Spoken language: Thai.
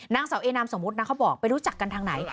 นางสาวเอนามสมมุตินะเขาบอกไปรู้จักกันทางไหน